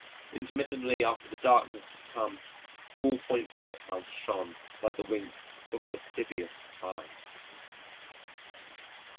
Intermittently after the darkness had come, Bullpoint Lighthouse shone like the wink of a lascivious eye.